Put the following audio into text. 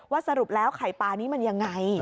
สรุปแล้วไข่ปลานี้มันยังไง